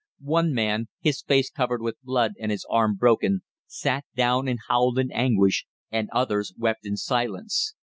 One man, his face covered with blood and his arm broken, sat down and howled in anguish, and others wept in silence.